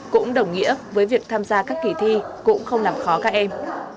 cũng đồng nghĩa với việc tham gia các kỳ thi cũng không làm khó các em